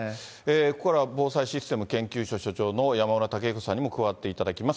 ここからは防災システム研究所所長の山村武彦さんにも加わっていただきます。